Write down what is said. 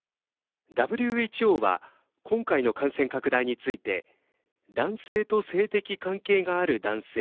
ＷＨＯは今回の感染拡大について男性と性的関係がある男性。